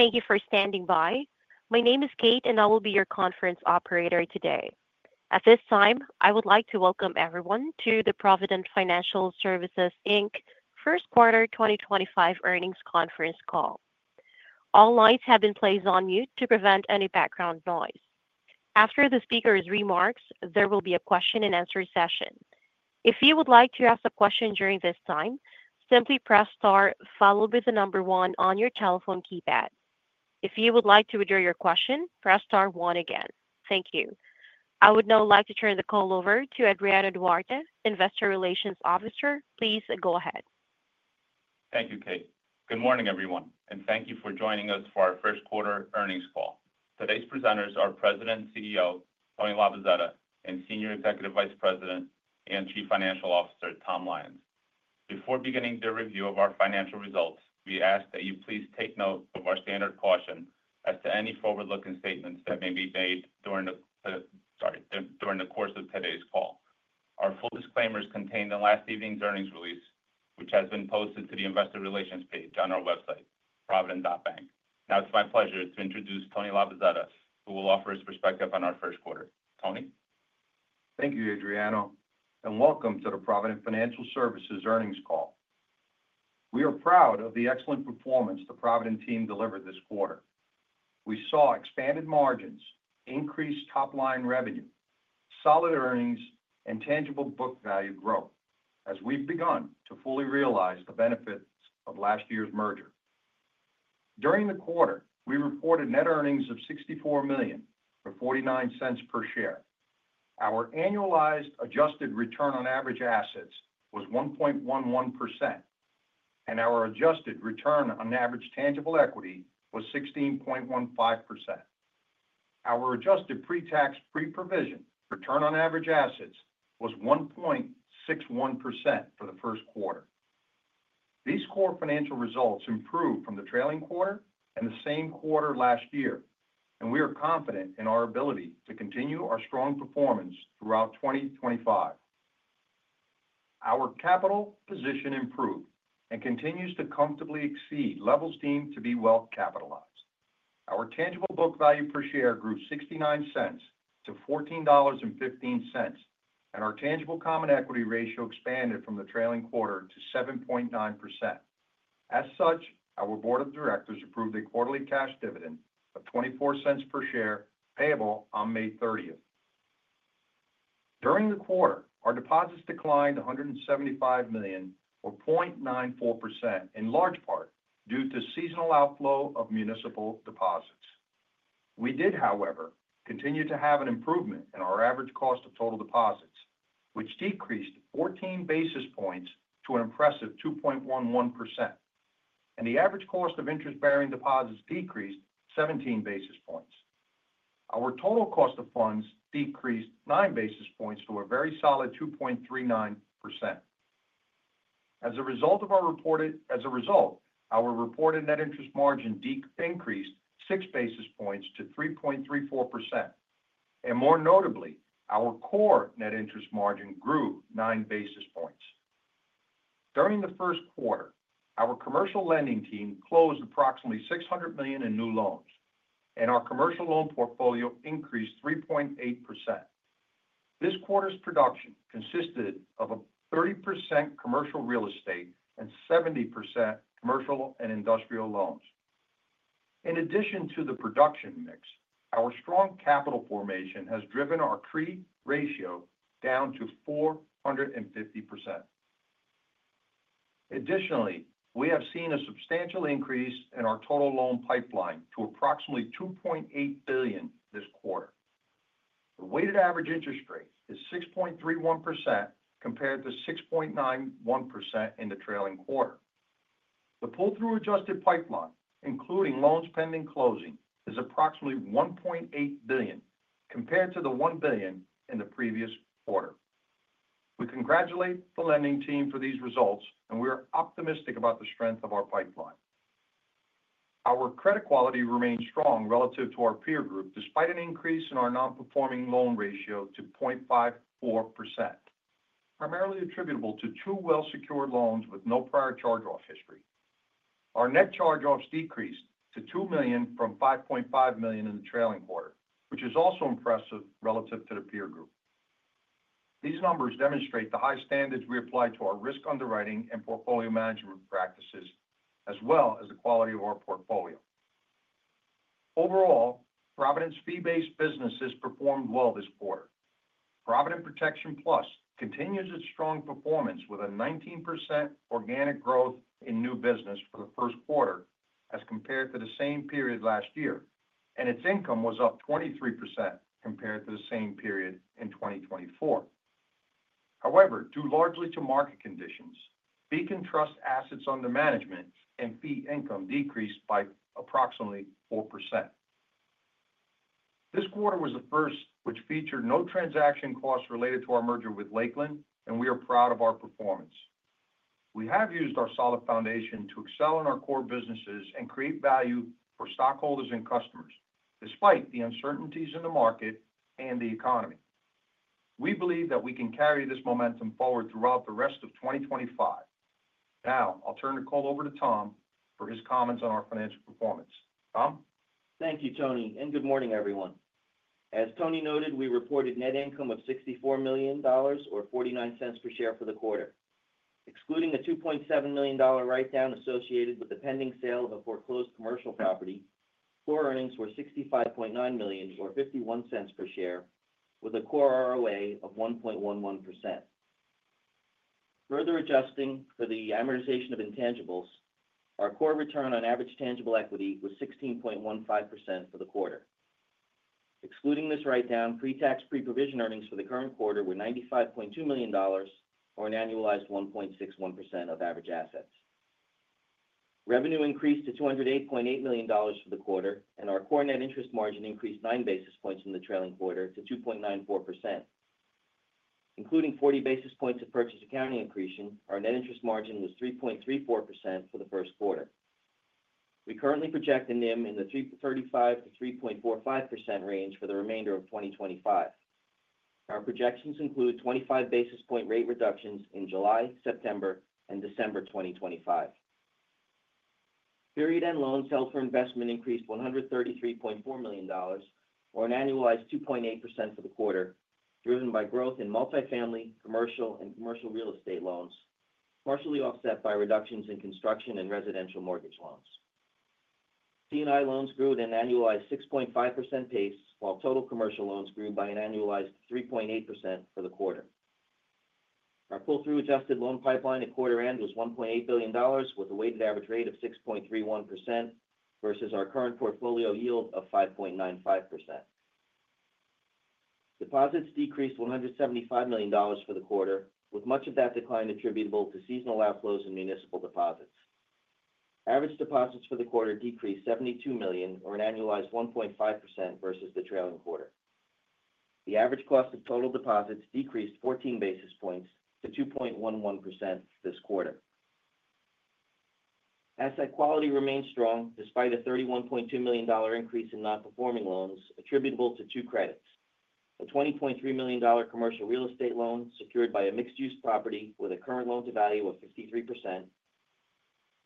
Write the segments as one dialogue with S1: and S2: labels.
S1: Thank you for standing by. My name is Kate, and I will be your conference operator today. At this time, I would like to welcome everyone to the Provident Financial Services Inc, First Quarter 2025 earnings conference call. All lines have been placed on mute to prevent any background noise. After the speaker's remarks, there will be a question-and-answer session. If you would like to ask a question during this time, simply press star, followed by the number one on your telephone keypad. If you would like to withdraw your question, press star one again. Thank you. I would now like to turn the call over to Adriano Duarte, Investor Relations Officer. Please go ahead.
S2: Thank you, Kate. Good morning, everyone, and thank you for joining us for our first quarter earnings call. Today's presenters are President and CEO Tony Labozzetta, and Senior Executive Vice President and Chief Financial Officer Tom Lyons. Before beginning the review of our financial results, we ask that you please take note of our standard caution as to any forward-looking statements that may be made during the course of today's call. Our full disclaimers contain the last evening's earnings release, which has been posted to the Investor Relations page on our website, provident.bank. Now, it's my pleasure to introduce Tony Labozzetta, who will offer his perspective on our first quarter. Tony?
S3: Thank you, Adriano, and welcome to the Provident Financial Services earnings call. We are proud of the excellent performance the Provident team delivered this quarter. We saw expanded margins, increased top-line revenue, solid earnings, and tangible book value growth as we've begun to fully realize the benefits of last year's merger. During the quarter, we reported net earnings of $64.49 million. Our annualized adjusted return on average assets was 1.11%, and our adjusted return on average tangible equity was 16.15%. Our adjusted pre-tax pre-provision return on average assets was 1.61% for the first quarter. These core financial results improved from the trailing quarter and the same quarter last year, and we are confident in our ability to continue our strong performance throughout 2025. Our capital position improved and continues to comfortably exceed levels deemed to be well capitalized. Our tangible book value per share grew $0.69 to $14.15, and our tangible common equity ratio expanded from the trailing quarter to 7.9%. As such, our board of directors approved a quarterly cash dividend of $0.24 per share payable on May 30th. During the quarter, our deposits declined $175 million, or 0.94%, in large part due to seasonal outflow of municipal deposits. We did, however, continue to have an improvement in our average cost of total deposits, which decreased 14 basis points to an impressive 2.11%, and the average cost of interest-bearing deposits decreased 17 basis points. Our total cost of funds decreased 9 basis points to a very solid 2.39%. As a result, our reported net interest margin increased 6 basis points to 3.34%, and more notably, our core net interest margin grew 9 basis points. During the first quarter, our commercial lending team closed approximately $600 million in new loans, and our commercial loan portfolio increased 3.8%. This quarter's production consisted of 30% commercial real estate and 70% commercial and industrial loans. In addition to the production mix, our strong capital formation has driven our CRE ratio down to 450%. Additionally, we have seen a substantial increase in our total loan pipeline to approximately $2.8 billion this quarter. The weighted average interest rate is 6.31% compared to 6.91% in the trailing quarter. The pull-through adjusted pipeline, including loans pending closing, is approximately $1.8 billion compared to the $1 billion in the previous quarter. We congratulate the lending team for these results, and we are optimistic about the strength of our pipeline. Our credit quality remains strong relative to our peer group despite an increase in our non-performing loan ratio to 0.54%, primarily attributable to two well-secured loans with no prior charge-off history. Our net charge-offs decreased to $2 million from $5.5 million in the trailing quarter, which is also impressive relative to the peer group. These numbers demonstrate the high standards we apply to our risk underwriting and portfolio management practices, as well as the quality of our portfolio. Overall, Provident's fee-based businesses performed well this quarter. Provident Protection Plus continues its strong performance with a 19% organic growth in new business for the first quarter as compared to the same period last year, and its income was up 23% compared to the same period in 2024. However, due largely to market conditions, fee-based assets under management and fee income decreased by approximately 4%. This quarter was the first which featured no transaction costs related to our merger with Lakeland, and we are proud of our performance. We have used our solid foundation to excel in our core businesses and create value for stockholders and customers despite the uncertainties in the market and the economy. We believe that we can carry this momentum forward throughout the rest of 2025. Now, I'll turn the call over to Tom for his comments on our financial performance. Tom?
S4: Thank you, Tony, and good morning, everyone. As Tony noted, we reported net income of $64 million, or $0.49 per share for the quarter. Excluding a $2.7 million write-down associated with the pending sale of a foreclosed commercial property, core earnings were $65.9 million, or $0.51 per share, with a core ROA of 1.11%. Further adjusting for the amortization of intangibles, our core return on average tangible equity was 16.15% for the quarter. Excluding this write-down, pre-tax pre-provision earnings for the current quarter were $95.2 million, or an annualized 1.61% of average assets. Revenue increased to $208.8 million for the quarter, and our core net interest margin increased 9 basis points in the trailing quarter to 2.94%. Including 40 basis points of purchase accounting accretion, our net interest margin was 3.34% for the first quarter. We currently project a NIM in the 3.35%-3.45% range for the remainder of 2025. Our projections include 25 basis point rate reductions in July, September, and December 2025. Period end loans held for investment increased $133.4 million, or an annualized 2.8% for the quarter, driven by growth in multifamily, commercial, and commercial real estate loans, partially offset by reductions in construction and residential mortgage loans. C&I loans grew at an annualized 6.5% pace, while total commercial loans grew by an annualized 3.8% for the quarter. Our pull-through adjusted loan pipeline at quarter end was $1.8 billion, with a weighted average rate of 6.31% versus our current portfolio yield of 5.95%. Deposits decreased $175 million for the quarter, with much of that decline attributable to seasonal outflows in municipal deposits. Average deposits for the quarter decreased $72 million, or an annualized 1.5% versus the trailing quarter. The average cost of total deposits decreased 14 basis points to 2.11% this quarter. Asset quality remains strong despite a $31.2 million increase in non-performing loans attributable to two credits: a $20.3 million commercial real estate loan secured by a mixed-use property with a current loan-to-value of 53%,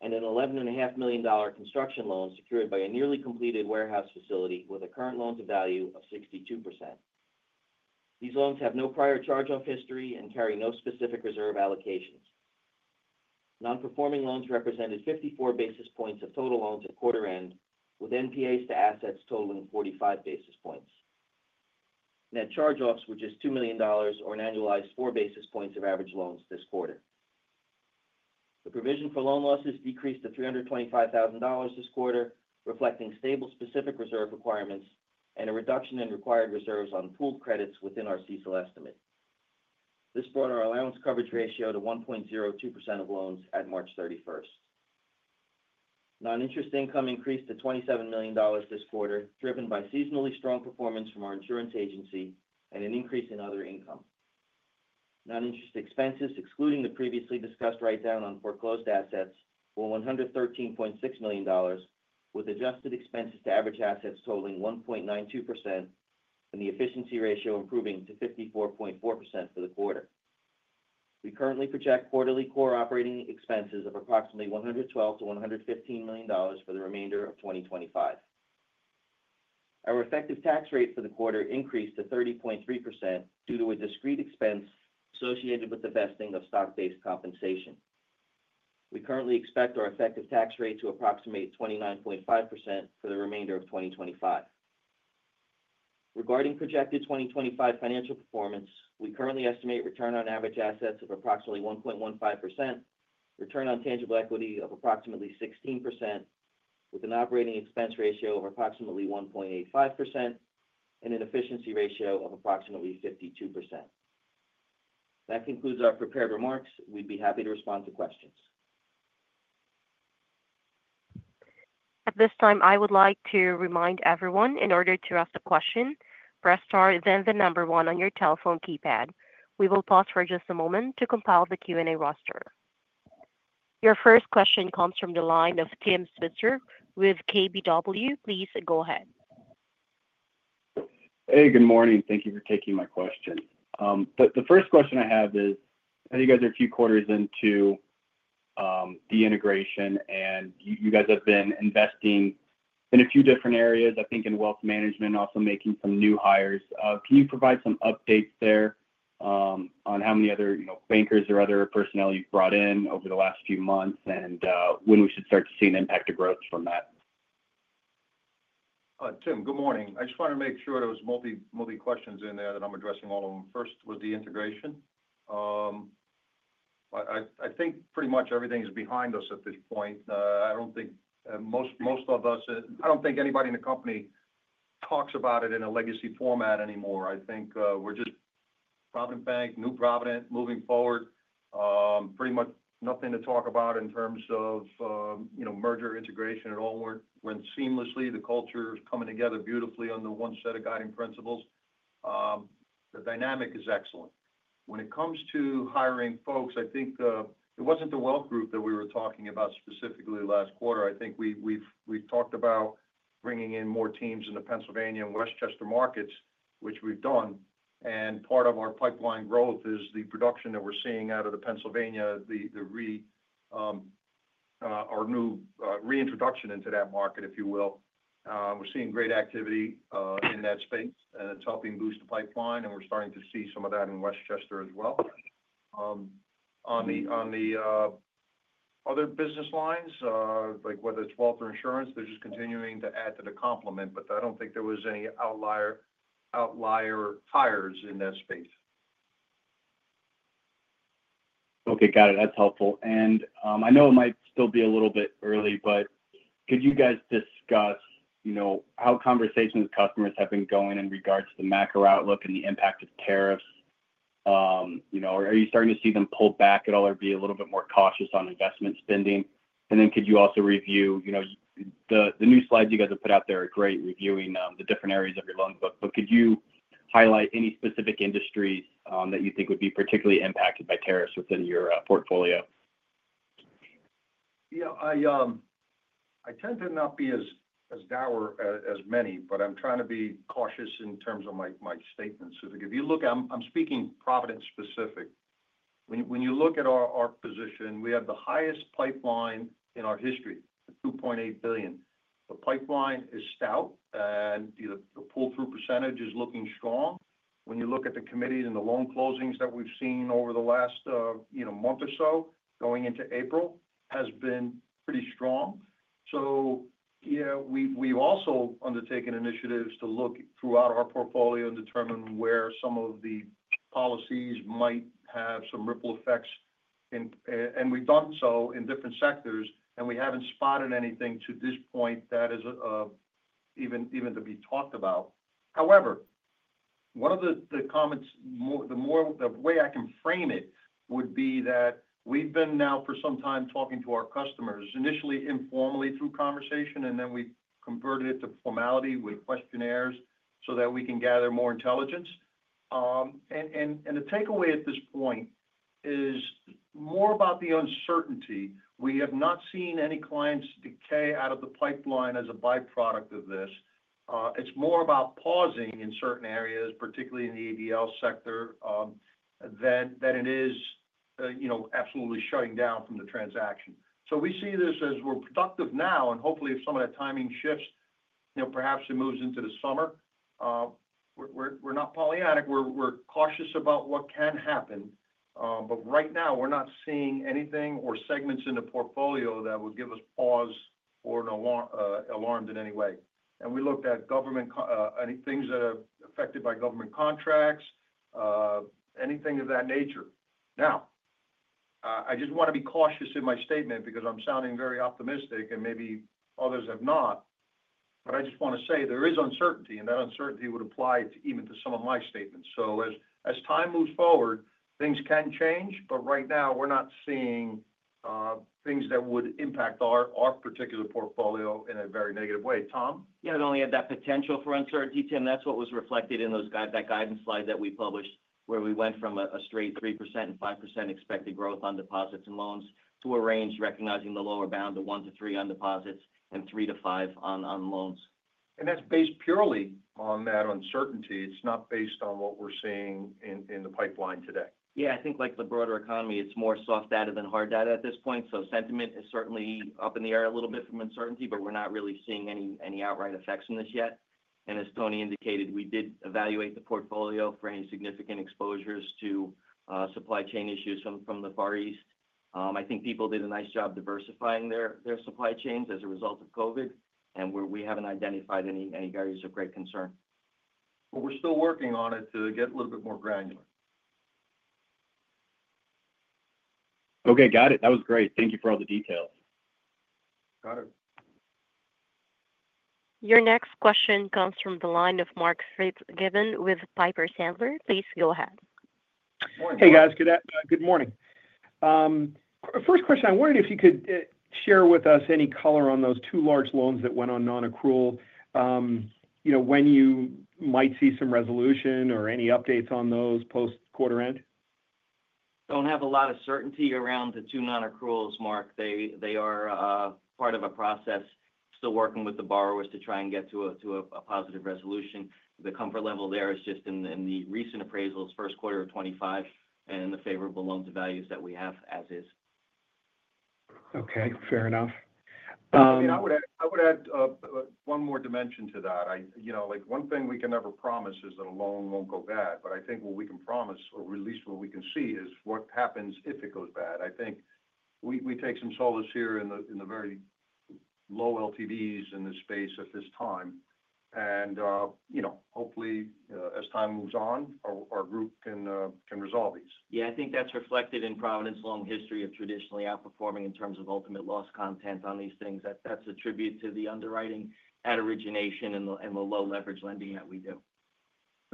S4: and an $11.5 million construction loan secured by a nearly completed warehouse facility with a current loan-to-value of 62%. These loans have no prior charge-off history and carry no specific reserve allocations. Non-performing loans represented 54 basis points of total loans at quarter end, with NPAs to assets totaling 45 basis points. Net charge-offs were just $2 million, or an annualized 4 basis points of average loans this quarter. The provision for loan losses decreased to $325,000 this quarter, reflecting stable specific reserve requirements and a reduction in required reserves on pooled credits within our CECL estimate. This brought our allowance coverage ratio to 1.02% of loans at March 31. Non-interest income increased to $27 million this quarter, driven by seasonally strong performance from our insurance agency and an increase in other income. Non-interest expenses, excluding the previously discussed write-down on foreclosed assets, were $113.6 million, with adjusted expenses to average assets totaling 1.92% and the efficiency ratio improving to 54.4% for the quarter. We currently project quarterly core operating expenses of approximately $112 million-$115 million for the remainder of 2025. Our effective tax rate for the quarter increased to 30.3% due to a discrete expense associated with the vesting of stock-based compensation. We currently expect our effective tax rate to approximate 29.5% for the remainder of 2025. Regarding projected 2025 financial performance, we currently estimate return on average assets of approximately 1.15%, return on tangible equity of approximately 16%, with an operating expense ratio of approximately 1.85%, and an efficiency ratio of approximately 52%. That concludes our prepared remarks. We'd be happy to respond to questions.
S1: At this time, I would like to remind everyone, in order to ask a question, press star then the number one on your telephone keypad. We will pause for just a moment to compile the Q&A roster. Your first question comes from the line of Tim Switzer with KBW. Please go ahead.
S5: Hey, good morning. Thank you for taking my question. The first question I have is, I know you guys are a few quarters into the integration, and you guys have been investing in a few different areas, I think in wealth management, also making some new hires. Can you provide some updates there on how many other bankers or other personnel you've brought in over the last few months and when we should start to see an impact of growth from that?
S3: Tim, good morning. I just wanted to make sure there were multi-questions in there that I'm addressing all of them. First was the integration. I think pretty much everything is behind us at this point. I don't think most of us, I don't think anybody in the company talks about it in a legacy format anymore. I think we're just Provident Bank, new Provident moving forward, pretty much nothing to talk about in terms of merger integration at all. Went seamlessly. The culture is coming together beautifully under one set of guiding principles. The dynamic is excellent. When it comes to hiring folks, I think it wasn't the wealth group that we were talking about specifically last quarter. I think we've talked about bringing in more teams in the Pennsylvania and Westchester markets, which we've done, and part of our pipeline growth is the production that we're seeing out of the Pennsylvania, our new reintroduction into that market, if you will. We're seeing great activity in that space, and it's helping boost the pipeline, and we're starting to see some of that in Westchester as well. On the other business lines, like whether it's wealth or insurance, they're just continuing to add to the complement, but I don't think there were any outlier hires in that space.
S5: Okay, got it. That's helpful. I know it might still be a little bit early, but could you guys discuss how conversations with customers have been going in regards to the macro outlook and the impact of tariffs? Are you starting to see them pull back at all or be a little bit more cautious on investment spending? Could you also review the new slides you guys have put out? They are great reviewing the different areas of your loan book, but could you highlight any specific industries that you think would be particularly impacted by tariffs within your portfolio?
S3: Yeah. I tend to not be as dour as many, but I'm trying to be cautious in terms of my statements. If you look, I'm speaking Provident specific. When you look at our position, we have the highest pipeline in our history, $2.8 billion. The pipeline is stout, and the pull-through percentage is looking strong. When you look at the committees and the loan closings that we've seen over the last month or so going into April, it has been pretty strong. Yeah, we've also undertaken initiatives to look throughout our portfolio and determine where some of the policies might have some ripple effects, and we've done so in different sectors, and we haven't spotted anything to this point that is even to be talked about. However, one of the comments, the way I can frame it would be that we've been now for some time talking to our customers, initially informally through conversation, and then we've converted it to formality with questionnaires so that we can gather more intelligence. The takeaway at this point is more about the uncertainty. We have not seen any clients decay out of the pipeline as a byproduct of this. It's more about pausing in certain areas, particularly in the ABL sector, than it is absolutely shutting down from the transaction. We see this as we're productive now, and hopefully if some of that timing shifts, perhaps it moves into the summer. We're not Pollyanna. We're cautious about what can happen, but right now we're not seeing anything or segments in the portfolio that would give us pause or alarms in any way. We looked at things that are affected by government contracts, anything of that nature. I just want to be cautious in my statement because I'm sounding very optimistic and maybe others have not, but I just want to say there is uncertainty, and that uncertainty would apply even to some of my statements. As time moves forward, things can change, but right now we're not seeing things that would impact our particular portfolio in a very negative way. Tom?
S4: Yeah, we only had that potential for uncertainty, Tim. That's what was reflected in that guidance slide that we published, where we went from a straight 3% and 5% expected growth on deposits and loans to a range recognizing the lower bound of 1%-3% on deposits and 3%-5% on loans.
S3: That is based purely on that uncertainty. It is not based on what we are seeing in the pipeline today.
S4: Yeah, I think like the broader economy, it's more soft data than hard data at this point. Sentiment is certainly up in the air a little bit from uncertainty, but we're not really seeing any outright effects in this yet. As Tony indicated, we did evaluate the portfolio for any significant exposures to supply chain issues from the Far East. I think people did a nice job diversifying their supply chains as a result of COVID, and we haven't identified any areas of great concern.
S3: We're still working on it to get a little bit more granular.
S5: Okay, got it. That was great. Thank you for all the details.
S3: Got it.
S1: Your next question comes from the line of Mark Fitzgibbon with Piper Sandler. Please go ahead.
S5: Hey, guys. Good morning. First question, I wondered if you could share with us any color on those two large loans that went on non-accrual when you might see some resolution or any updates on those post-quarter end?
S4: Don't have a lot of certainty around the two non-accruals, Mark. They are part of a process still working with the borrowers to try and get to a positive resolution. The comfort level there is just in the recent appraisals, first quarter of 2025, and the favorable loan-to-values that we have as is.
S5: Okay, fair enough.
S3: I mean, I would add one more dimension to that. One thing we can never promise is that a loan won't go bad, but I think what we can promise, or at least what we can see, is what happens if it goes bad. I think we take some solace here in the very low LTVs in this space at this time, and hopefully as time moves on, our group can resolve these.
S4: Yeah, I think that's reflected in Provident's long history of traditionally outperforming in terms of ultimate loss content on these things. That's attributed to the underwriting at origination and the low-leverage lending that we do.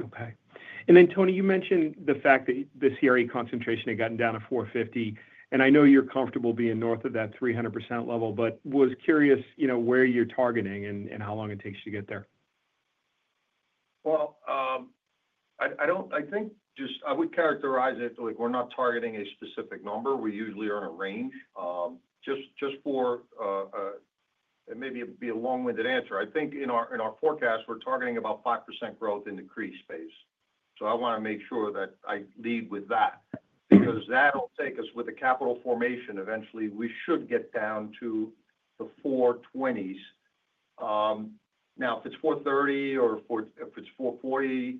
S5: Okay. Tony, you mentioned the fact that the CRE concentration had gotten down to 450, and I know you're comfortable being north of that 300% level, but was curious where you're targeting and how long it takes you to get there.
S3: I think just I would characterize it like we're not targeting a specific number. We usually are in a range. Just for maybe it'd be a long-winded answer. I think in our forecast, we're targeting about 5% growth in the CRE space. I want to make sure that I lead with that because that'll take us with the capital formation eventually. We should get down to the 420s. Now, if it's 430 or if it's 440,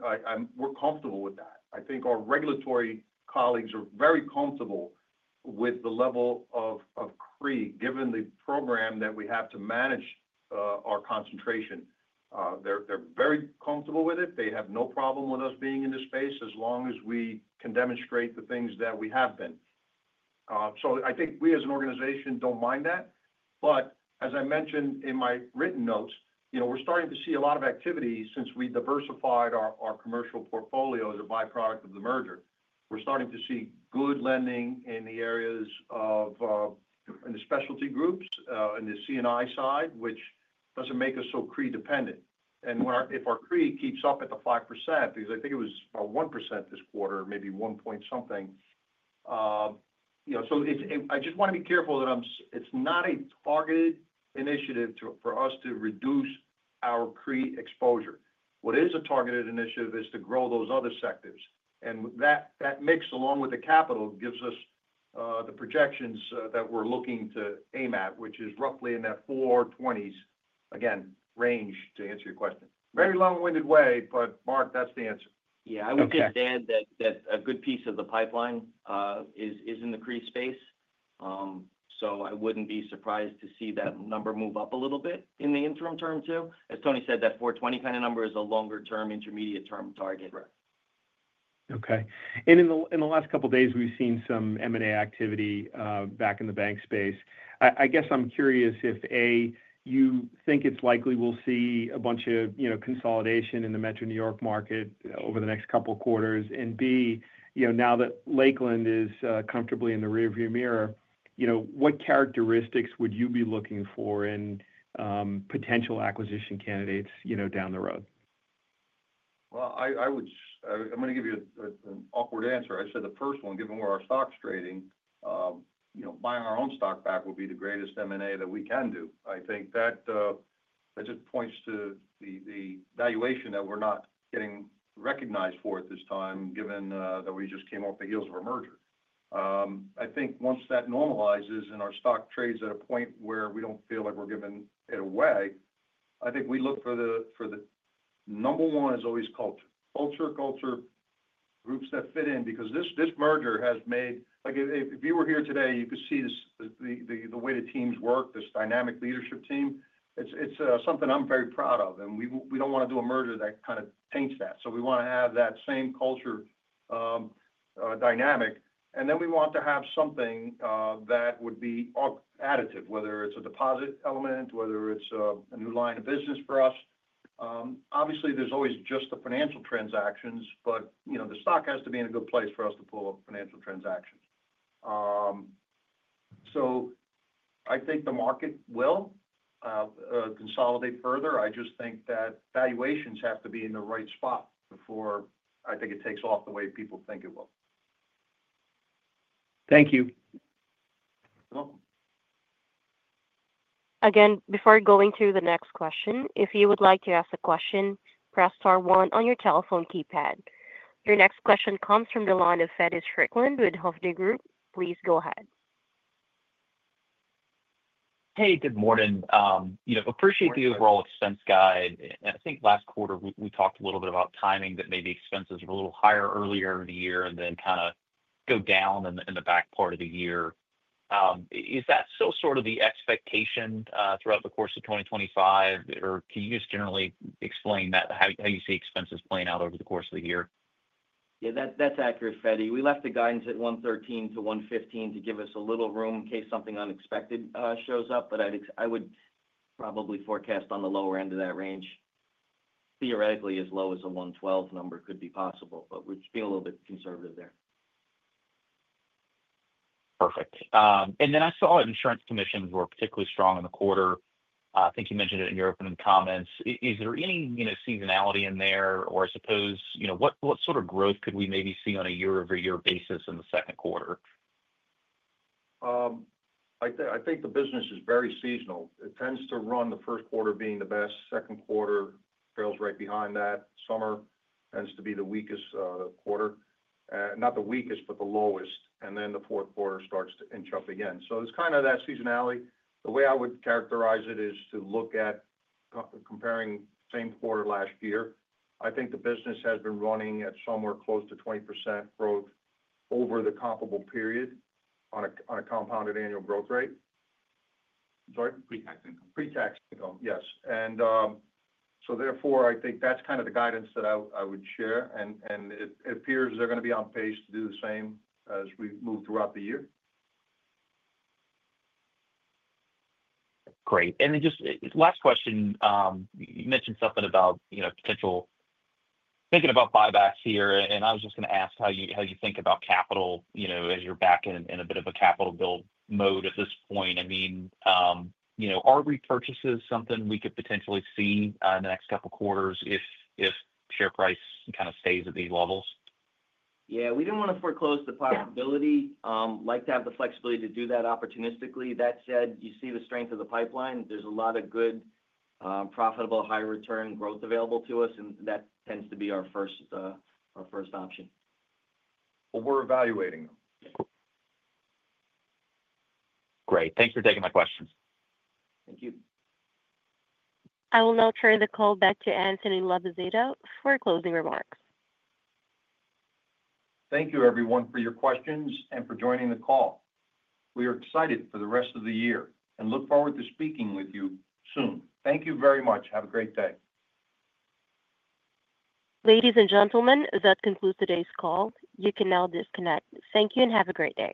S3: we're comfortable with that. I think our regulatory colleagues are very comfortable with the level of CRE given the program that we have to manage our concentration. They're very comfortable with it. They have no problem with us being in this space as long as we can demonstrate the things that we have been. I think we as an organization don't mind that. As I mentioned in my written notes, we're starting to see a lot of activity since we diversified our commercial portfolio as a byproduct of the merger. We're starting to see good lending in the areas of the specialty groups and the C&I side, which doesn't make us so CRE-dependent. If our CRE keeps up at the 5%, because I think it was about 1% this quarter, maybe 1 point something. I just want to be careful that it's not a targeted initiative for us to reduce our CRE exposure. What is a targeted initiative is to grow those other sectors. That mix, along with the capital, gives us the projections that we're looking to aim at, which is roughly in that 420s, again, range to answer your question. Very long-winded way, but Mark, that's the answer.
S4: Yeah, I would just add that a good piece of the pipeline is in the CRE space. I would not be surprised to see that number move up a little bit in the interim term too. As Tony said, that 420 kind of number is a longer-term, intermediate-term target.
S3: Correct.
S5: Okay. In the last couple of days, we've seen some M&A activity back in the bank space. I guess I'm curious if, A, you think it's likely we'll see a bunch of consolidation in the Metro New York market over the next couple of quarters, and B, now that Lakeland is comfortably in the rearview mirror, what characteristics would you be looking for in potential acquisition candidates down the road?
S3: I'm going to give you an awkward answer. I said the first one, given where our stock's trading, buying our own stock back would be the greatest M&A that we can do. I think that just points to the valuation that we're not getting recognized for at this time, given that we just came off the heels of a merger. I think once that normalizes and our stock trades at a point where we don't feel like we're giving it away, I think we look for the number one is always culture. Culture, culture, groups that fit in, because this merger has made if you were here today, you could see the way the teams work, this dynamic leadership team. It's something I'm very proud of, and we don't want to do a merger that kind of taints that. We want to have that same culture dynamic, and then we want to have something that would be additive, whether it's a deposit element, whether it's a new line of business for us. Obviously, there's always just the financial transactions, but the stock has to be in a good place for us to pull up financial transactions. I think the market will consolidate further. I just think that valuations have to be in the right spot before I think it takes off the way people think it will.
S5: Thank you.
S3: You're welcome.
S1: Again, before going to the next question, if you would like to ask a question, press star one on your telephone keypad. Your next question comes from the line of Feddie Strickland with Hovde Group. Please go ahead.
S6: Hey, good morning. Appreciate the overall expense guide. I think last quarter we talked a little bit about timing that maybe expenses were a little higher earlier in the year and then kind of go down in the back part of the year. Is that still sort of the expectation throughout the course of 2025, or can you just generally explain that, how you see expenses playing out over the course of the year?
S4: Yeah, that's accurate, Fedis. We left the guidance at 113-115 to give us a little room in case something unexpected shows up, but I would probably forecast on the lower end of that range. Theoretically, as low as a 112 number could be possible, but we're just being a little bit conservative there.
S6: Perfect. I saw insurance commissions were particularly strong in the quarter. I think you mentioned it in your opening comments. Is there any seasonality in there, or I suppose what sort of growth could we maybe see on a year-over-year basis in the second quarter?
S3: I think the business is very seasonal. It tends to run the first quarter being the best. Second quarter falls right behind that. Summer tends to be the weakest quarter. Not the weakest, but the lowest. The fourth quarter starts to inch up again. It is kind of that seasonality. The way I would characterize it is to look at comparing same quarter last year. I think the business has been running at somewhere close to 20% growth over the comparable period on a compounded annual growth rate. I'm sorry?
S4: Pre-tax income.
S3: Pre-tax income, yes. Therefore, I think that's kind of the guidance that I would share, and it appears they're going to be on pace to do the same as we move throughout the year.
S6: Great. Just last question. You mentioned something about potential thinking about buybacks here, and I was just going to ask how you think about capital as you're back in a bit of a capital build mode at this point. I mean, are repurchases something we could potentially see in the next couple of quarters if share price kind of stays at these levels?
S4: Yeah, we don't want to foreclose the possibility. Like to have the flexibility to do that opportunistically. That said, you see the strength of the pipeline. There's a lot of good, profitable, high-return growth available to us, and that tends to be our first option.
S3: We're evaluating them.
S6: Great. Thanks for taking my questions.
S4: Thank you.
S1: I will now turn the call back to Anthony Labozzetta for closing remarks.
S3: Thank you, everyone, for your questions and for joining the call. We are excited for the rest of the year and look forward to speaking with you soon. Thank you very much. Have a great day.
S1: Ladies and gentlemen, that concludes today's call. You can now disconnect. Thank you and have a great day.